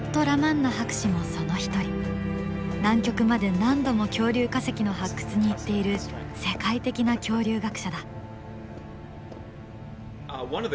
南極まで何度も恐竜化石の発掘に行っている世界的な恐竜学者だ。